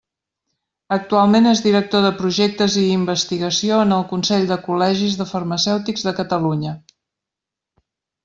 Actualment és director de Projectes i Investigació en el Consell de Col·legis de Farmacèutics de Catalunya.